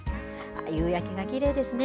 夕焼けがきれいですね。